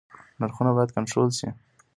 نرخونه باید کنټرول شي